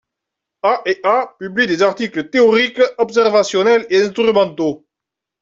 A&A publie des articles théoriques, observationnels et instrumentaux.